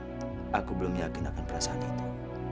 tapi aku belum yakin akan perasaan itu